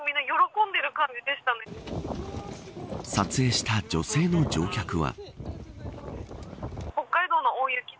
撮影した女性の乗客は。